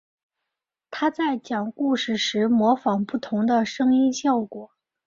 他在讲故事时模仿不同的声音效果。